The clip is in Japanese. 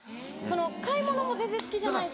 買い物も全然好きじゃないし。